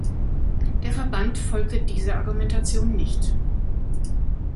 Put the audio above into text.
Der Verband folgte dieser Argumentation nicht.